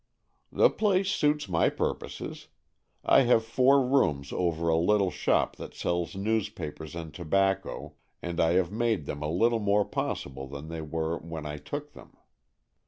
" The place suits my purposes. I have four rooms over a little shop that sells news papers and tobacco, and I have made them a little more possible than they were when I took them.